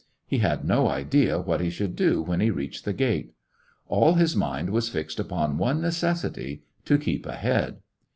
He had no idea what he should do when he reached the gate. All his mind was fixed upon one necessity— to keep ahead